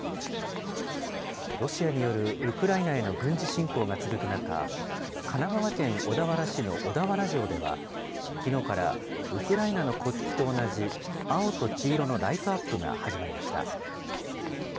ロシアによるウクライナへの軍事侵攻が続く中、神奈川県小田原市の小田原城では、きのうから、ウクライナの国旗と同じ青と黄色のライトアップが始まりました。